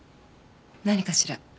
何かしら？